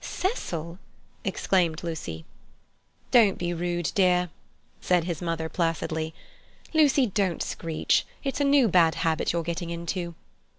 "Cecil?" exclaimed Lucy. "Don't be rude, dear," said his mother placidly. "Lucy, don't screech. It's a new bad habit you're getting into."